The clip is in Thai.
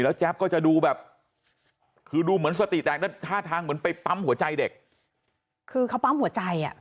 แจ๊บก็จะดูแบบคือดูเหมือนสติแตกแล้วท่าทางเหมือนไปปั๊มหัวใจเด็กคือเขาปั๊มหัวใจอ่ะ